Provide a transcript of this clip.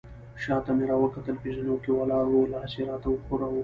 شاته مې راوکتل، په زینو کې ولاړه وه، لاس يې راته وښوراوه.